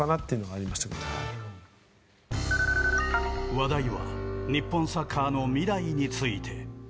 話題は日本サッカーの未来について。